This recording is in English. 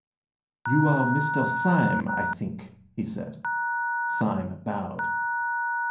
"You are Mr. Syme, I think," he said. Syme bowed.